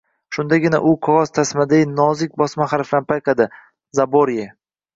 Shundagina u qogʻoz tasmadagi nozik bosma harflarni payqadi: “Zaborye”.